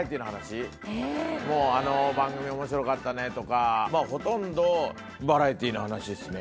もうあの番組面白かったねとかほとんどバラエティーの話っすね